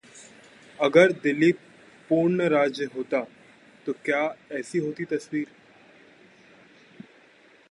अगर दिल्ली पूर्ण राज्य होता, तो क्या ऐसी होती तस्वीर!